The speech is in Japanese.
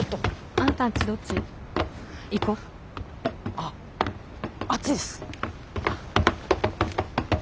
ああっちです！